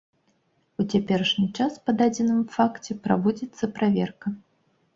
У цяперашні час па дадзеным факце праводзіцца праверка.